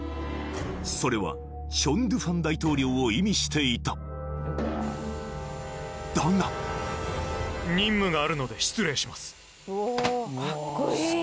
それはチョン・ドゥファン大統領を意味していただが任務があるので失礼します